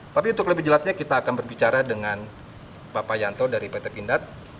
tapi untuk lebih jelasnya kita akan berbicara dengan bapak yanto dari pt pindad